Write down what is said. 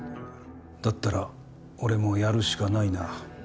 だったら俺もやるしかないな。